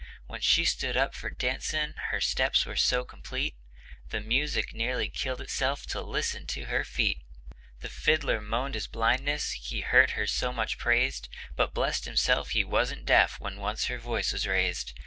When she stood up for dancing, her steps were so complete, The music nearly killed itself to listen to her feet; The fiddler moaned his blindness, he heard her so much praised, But blessed himself he wasn't deaf, when once her voice she raised.